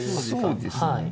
そうですね。